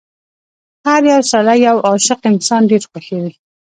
هر يو سړی یو عاشق انسان ډېر خوښوي.